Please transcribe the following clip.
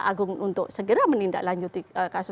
agung untuk segera menindaklanjuti kasus